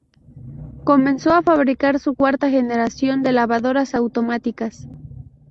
Comenzó a fabricar su cuarta generación de lavadoras automáticas.